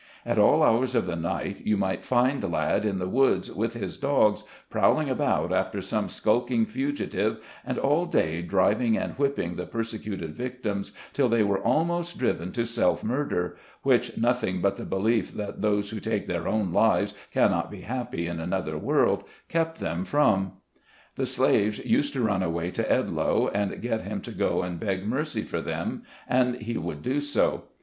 At all hours of the night, you might find Ladd in the woods, with his dogs, prowling about after some skulking fugitive, and all day driving and whipping the persecuted victims, till they were almost driven to self murder, which noth ing but the belief that those who take their own lives cannot be happy in another world kept them from. The slaves used to run away to Edloe, and get him to go and beg mercy for them, and he would do so.